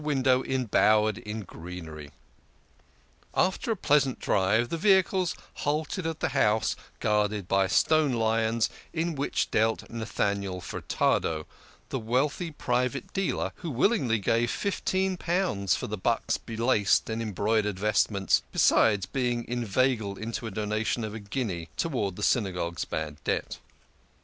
window em bowered in greenery. After a pleasant drive, the vehicles halted at the house, guarded by stone lions, in which dwelt Nathaniel Fur tado, the wealthy pri vate dealer, who will ingly gave fifteen pounds for the buck's belaced and embroid ered vestments, be sides being inveigled into a donation of a guinea towards the Synagogue's bad debt.